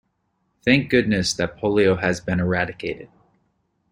Thank goodness that polio has been eradicated.